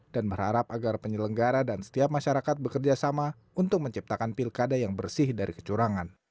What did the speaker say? dan berharap agar penyelenggara dan setiap masyarakat bekerjasama untuk menciptakan pilkada yang bersih dari kecurangan